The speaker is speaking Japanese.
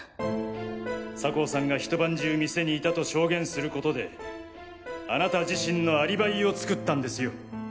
酒匂さんがひと晩中店に居たと証言することであなた自身のアリバイを作ったんですよ！